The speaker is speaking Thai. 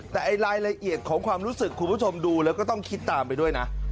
แต่รายละเอียดของความรู้สึกคุณผู้ชมดูแล้วก็ต้องคิดตามไปด้วยนะ